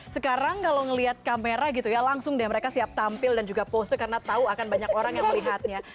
sekarang kalau ngelihat kamera gitu ya langsung deh mereka siap tampil dan juga pose karena tahu akan banyak orang yang melihatnya